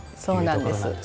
そうなんです。